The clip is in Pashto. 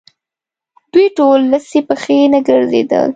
دوی ټول لڅې پښې نه ګرځېدل.